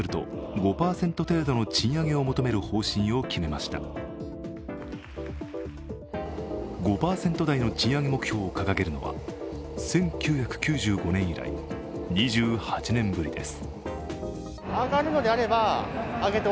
５％台の賃上げ目標を掲げるのは１９９５年以来２８年ぶりです。